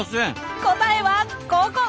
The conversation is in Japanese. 答えはここ！